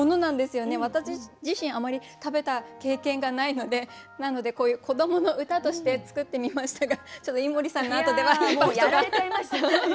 私自身あまり食べた経験がないのでなのでこういう子どもの歌として作ってみましたがちょっと井森さんのあとではインパクトが。